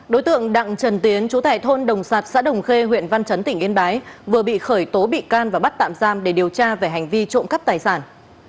đối tượng đặng trần tiến chú tại thôn đồng sạt xã đồng khê huyện văn chấn tỉnh yên bái vừa bị khởi tố bị can và bắt tạm giam để điều tra về hành vi trộm cắp tài sản